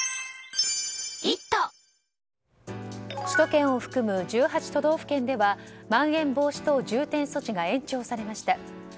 首都圏を含む１８都道府県ではまん延防止等重点措置が延長されました。